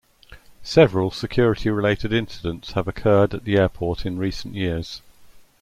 Several security-related incidents have occurred at the airport in recent years.